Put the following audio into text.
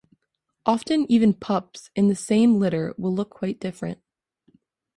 Often even pups in the same litter will look quite different.